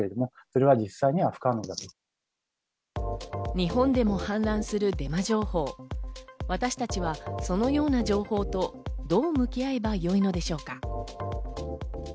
日本でも氾濫するデマ情報、私たちはそのような情報とどう向き合えばよいのでしょうか。